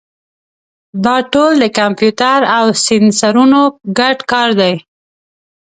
دا ټول د کمپیوټر او سینسرونو ګډ کار دی.